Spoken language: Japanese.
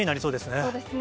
そうですね。